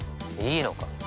いいのか？